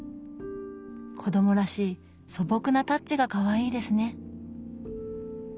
子どもらしい素朴なタッチがかわいいですね。